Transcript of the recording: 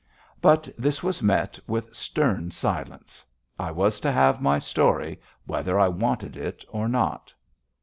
But this was met with stern silence. I was to have my story whether I wanted it or not.